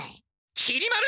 きり丸！